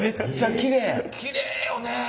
きれいよね。